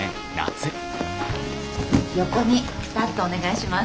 横にピタッとお願いします。